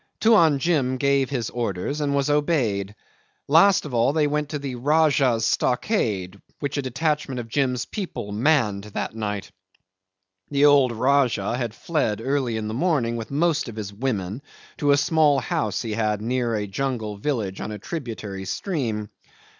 Tuan Jim gave his orders and was obeyed. Last of all they went to the Rajah's stockade, which a detachment of Jim's people manned on that night. The old Rajah had fled early in the morning with most of his women to a small house he had near a jungle village on a tributary stream.